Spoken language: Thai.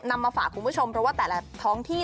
มาฝากคุณผู้ชมเพราะว่าแต่ละท้องที่